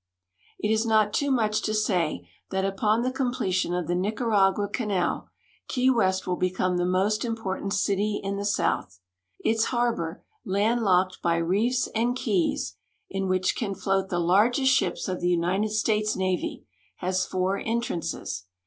It is not too much to say that upon the comi)letion of the Nicaragua canal. Key West Avill become the most imj)ortant city in the South. Its harbor, land locked by reefs and keys, in 20.1 204. ACROSS THE GULF BY RAIL TO KEY WEST which can float the largest ships of the United States Navy, has four entrances.